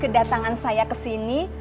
kedatangan saya kesini